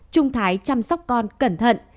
trung thái chăm sóc con cẩn thận